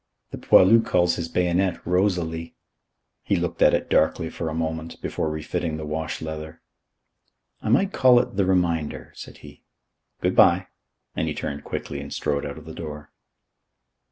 "The poilu calls his bayonet Rosalie." He looked at it darkly for a moment, before refitting the wash leather. "I might call it The Reminder," said he. "Good bye." And he turned quickly and strode out of the door.